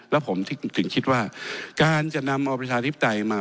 แล้วผมถึงคิดว่าการจะนำเอาประชาธิปไตยมา